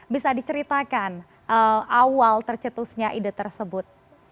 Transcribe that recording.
bisa diceritakan awal tercetusnya ide tersebut